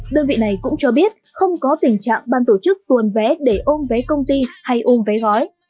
đơn vị này cũng cho biết không có tình trạng ban tổ chức tuồn vé để ôm vé công ty hay ôm vé gói